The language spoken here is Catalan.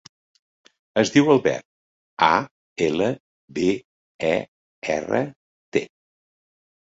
Es diu Albert: a, ela, be, e, erra, te.